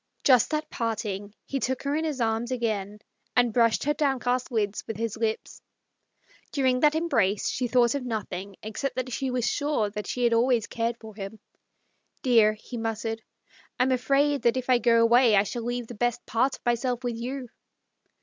Just at parting, he took her in his arms again, and brushed her down cast lids with his lips. During that embrace $2 * THE STORY OF A MODERN WOMAN. she thought of nothing except that she was sure that she had always cared for him. " Dear," he muttered, " I'm afraid that if I go away I shall leave the best part of myself with you."